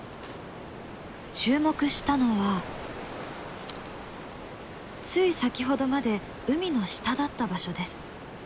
注目したのはつい先ほどまで海の下だった場所です。